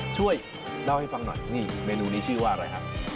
ช่วยเล่าให้ฟังหน่อยนี่เมนูนี้ชื่อว่าอะไรฮะ